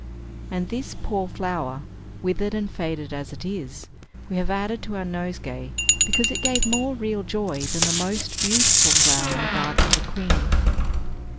And this poor flower, withered and faded as it is, we have added to our nosegay, because it gave more real joy than the most beautiful flower in the garden of a queen."